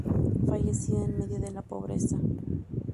Falleció en medio de la pobreza.